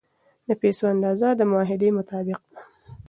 د پیسو اندازه د معاهدې مطابق ده.